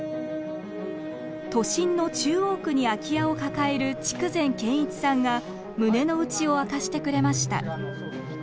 都心の中央区に空き家を抱える筑前賢一さんが胸の内を明かしてくれました。